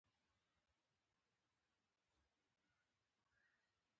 له درانه تګ څخه یې مالومېدل .